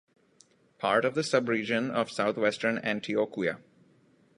Part of the subregion of Southwestern Antioquia.